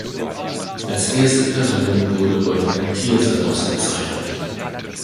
Als erste Person wurde Wolfgang Thierse ausgezeichnet.